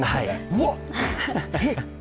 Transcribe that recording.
うわって。